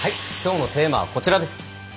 きょうのテーマはこちらです。